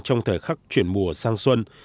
trong thời khắc chuyển mùa sang xuân